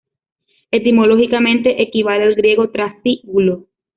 Etimológicamente, equivale al griego "Trasíbulo".